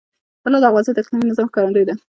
طلا د افغانستان د اقلیمي نظام ښکارندوی ده.